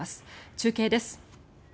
中継です。